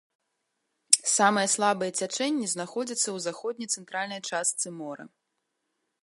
Самыя слабыя цячэнні знаходзяцца ў заходне-цэнтральнай частцы мора.